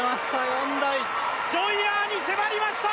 ４台ジョイナーに迫りました